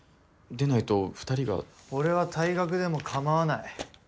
でないと２人が。俺は退学でも構わない。